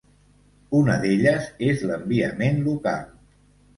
Una d'elles és l'enviament local.